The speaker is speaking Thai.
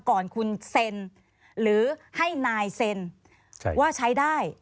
ก่อนคุณเซ็นหรือให้นายเซ็นว่าใช้ได้